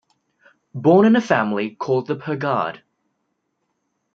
Born in a family called the 'Pergade'.